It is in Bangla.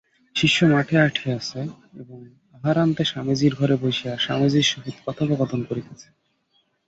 শিষ্য মঠে আসিয়াছে এবং আহারান্তে স্বামীজীর ঘরে বসিয়া স্বামীজীর সহিত কথোপকথন করিতেছে।